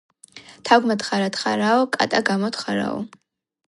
თაგვმა თხარა თხაარა კატა გამოთხარა